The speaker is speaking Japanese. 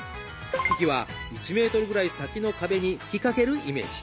息は１ｍぐらい先の壁に吹きかけるイメージ。